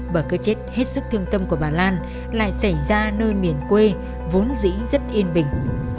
bởi cái chết hết sức thương tâm của bà lan lại xảy ra nơi miền quê vốn dĩ rất yên bình